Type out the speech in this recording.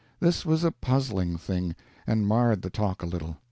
This was a puzzling thing, and marred the talk a little.